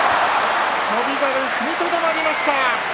翔猿、踏みとどまりました。